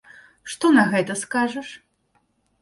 Што на гэта скажаш?